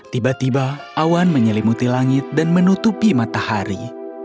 tiba tiba awan menyelimuti langit dan menutupi matahari